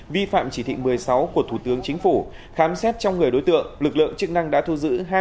vi phạm chỉ thị một mươi sáu của thủ tướng chính phủ khám xét trong người đối tượng lực lượng chức năng đã thu giữ